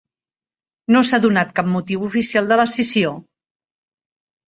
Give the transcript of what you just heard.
No s'ha donat cap motiu oficial de l'escissió.